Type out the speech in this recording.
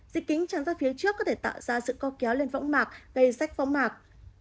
dịch kính trắng ra phía trước có thể tạo ra sự co kéo lên võng mạc gây rách võng mạc